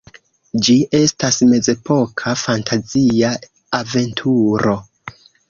Ĝi estas mezepoka fantazia aventuro.